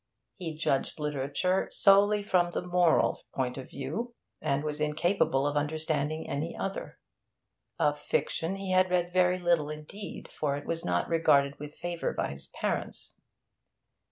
He judged literature solely from the moral point of view, and was incapable of understanding any other. Of fiction he had read very little indeed, for it was not regarded with favour by his parents.